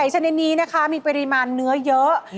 ชนิดนี้นะคะมีปริมาณเนื้อเยอะ